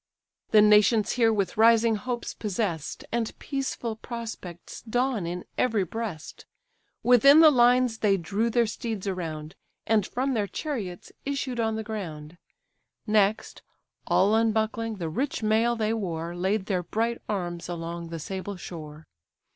The nations hear with rising hopes possess'd, And peaceful prospects dawn in every breast. Within the lines they drew their steeds around, And from their chariots issued on the ground; Next, all unbuckling the rich mail they wore, Laid their bright arms along the sable shore.